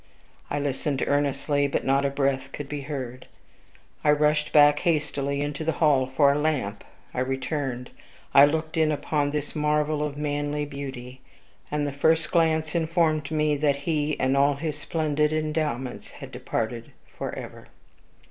I listened earnestly, but not a breath could be heard. I rushed back hastily into the hall for a lamp; I returned; I looked in upon this marvel of manly beauty, and the first glance informed me that he and all his splendid endowments had departed forever.